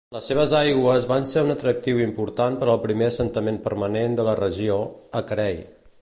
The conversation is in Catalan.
Les seves aigües van ser un atractiu important per al primer assentament permanent de la regió, a Carey.